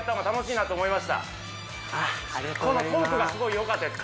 このトークがすごいよかったです